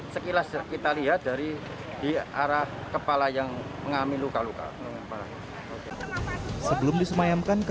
sekilas kita lihat dari di arah kepala yang mengalami luka luka sebelum disemayamkan ke